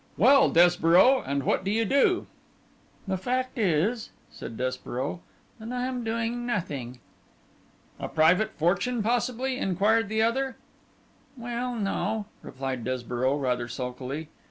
'Well, Desborough, and what do you do?' 'The fact is,' said Desborough, 'that I am doing nothing.' 'A private fortune possibly?' inquired the other. 'Well, no,' replied Desborough, rather sulkily.